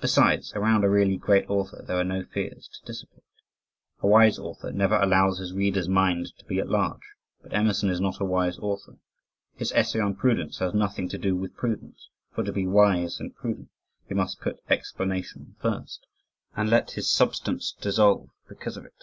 Besides, around a really great author, there are no fears to dissipate. "A wise author never allows his reader's mind to be at large," but Emerson is not a wise author. His essay on Prudence has nothing to do with prudence, for to be wise and prudent he must put explanation first, and let his substance dissolve because of it.